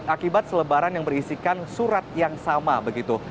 akibat selebaran yang berisikan surat yang sama begitu